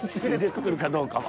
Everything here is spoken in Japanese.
作るかどうかは。